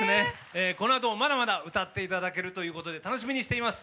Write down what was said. このあともまだまだ歌っていただけるということで楽しみにしています。